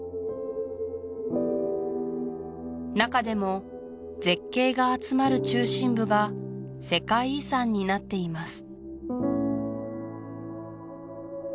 中でも絶景が集まる中心部が世界遺産になっています